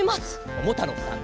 ももたろうさん